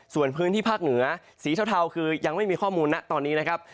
ส่วนพื้นที่ภาคเหนือสีเทาคือยังไม่มีข้อมูลนะตอนนี้นะครับ